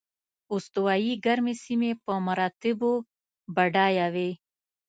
استوایي ګرمې سیمې په مراتبو بډایه وې.